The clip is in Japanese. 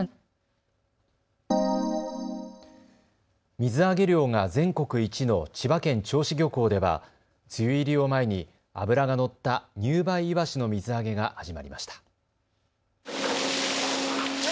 水揚げ量が全国一の千葉県銚子漁港では梅雨入りを前に脂が乗った入梅いわしの水揚げが始まりました。